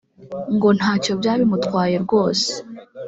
ngo ntacyo byaba bimutwaye rwose